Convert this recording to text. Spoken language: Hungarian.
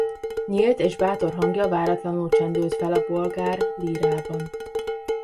Nyílt és bátor hangja váratlanul csendült fel a bolgár lírában.